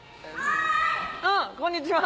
あっこんにちは。